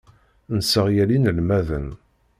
Nesseɣyel inelmaden.